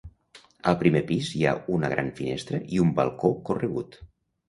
Al primer pis hi ha una gran finestra i un balcó corregut.